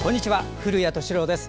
古谷敏郎です。